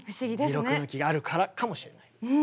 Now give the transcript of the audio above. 二六抜きがあるからかもしれない。